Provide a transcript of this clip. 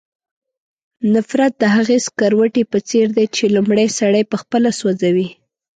نفرت د هغې سکروټې په څېر دی چې لومړی سړی پخپله سوځوي.